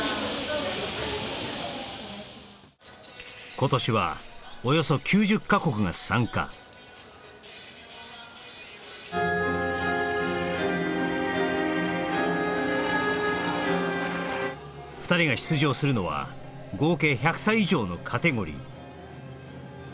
今年はおよそ９０か国が参加２人が出場するのは合計１００歳以上のカテゴリー